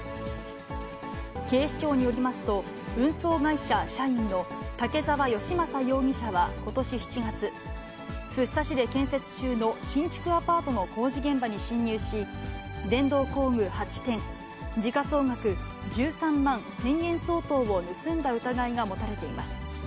警視庁によりますと、運送会社社員の武沢良政容疑者はことし７月、福生市で建設中の新築アパートの工事現場に侵入し、電動工具８点、時価総額１３万１０００円相当を盗んだ疑いが持たれています。